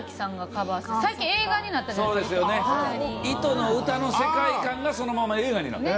『糸』の歌の世界観がそのまま映画になった。